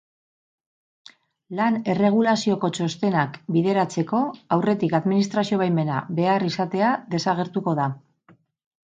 Lan-erregulazioko txostenak bideratzeko, aurretik administrazio-baimena behar izatea desagertuko da.